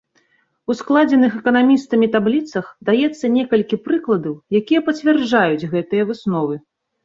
У складзеных эканамістамі табліцах даецца некалькі прыкладаў, якія пацвярджаюць гэтыя высновы.